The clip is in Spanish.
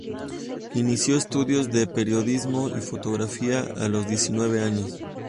Inició estudios de periodismo y fotografía a los diecinueve años.